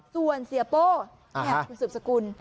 ส่วนเสียโป้คุณสืบสกุล